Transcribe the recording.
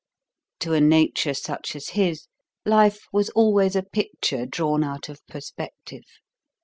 To a nature such as his, Life was always a picture drawn out of perspective.